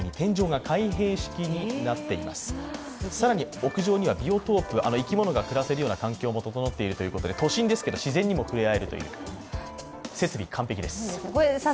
屋上にはビオトープ、生き物が暮らせる環境も整っているということで、都心ですけど自然にも触れ合えるという、設備完璧です。